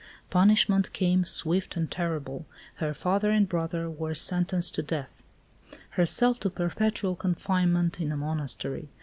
Punishment came, swift and terrible. Her father and brother were sentenced to death, herself to perpetual confinement in a monastery.